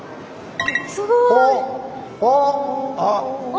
すごい。お。